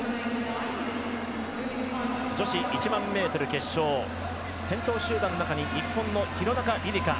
女子１００００ｍ決勝先頭集団の中に日本の廣中璃梨佳